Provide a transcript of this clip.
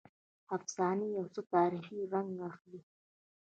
افسانې یو څه تاریخي رنګ اخلي.